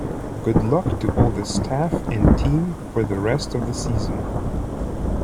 Good luck to all the staff and team for the rest of the season.